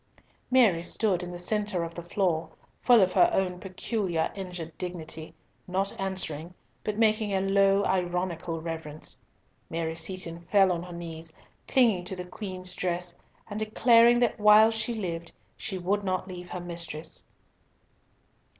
Mary stood in the centre of the floor, full of her own peculiar injured dignity, not answering, but making a low ironical reverence. Mary Seaton fell on her knees, clung to the Queen's dress, and declared that while she lived, she would not leave her mistress.